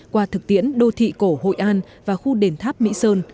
qua thực tiễn đô thị cổ hội an và khu đền tháp mỹ sơn